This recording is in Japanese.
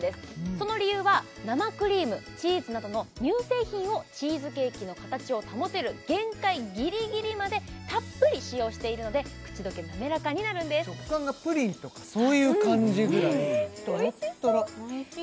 その理由は生クリームチーズなどの乳製品をチーズケーキの形を保てる限界ギリギリまでたっぷり使用しているので口溶け滑らかになるんです食感がプリンとかそういう感じぐらいとろっとろおいしい！